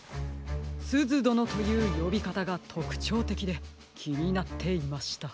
「すずどの」というよびかたがとくちょうてきできになっていました。